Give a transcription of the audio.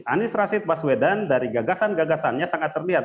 anies rashid baswedan dari gagasan gagasannya sangat terlihat